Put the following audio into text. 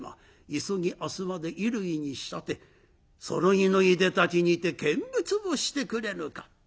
急ぎ明日まで衣類に仕立てそろいのいでたちにて見物をしてくれぬか」。